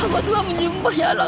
amatlah menyembah ya allah